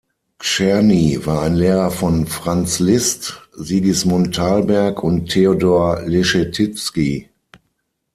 Czerny war ein Lehrer von Franz Liszt, Sigismund Thalberg und Theodor Leschetizky.